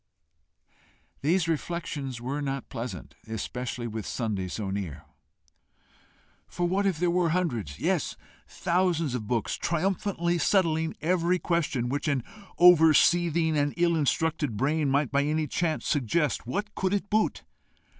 These reflections were not pleasant, especially with Sunday so near. For what if there were hundreds, yes, thousands of books, triumphantly settling every question which an over seething and ill instructed brain might by any chance suggest, what could it boot?